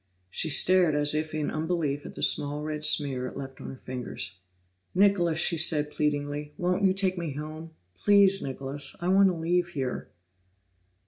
She stared as if in unbelief at the small red smear it left on her fingers. "Nicholas," she said pleadingly, "won't you take me home? Please, Nicholas, I want to leave here."